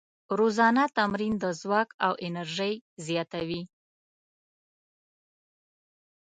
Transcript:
روزانه تمرین د ځواک او انرژۍ زیاتوي.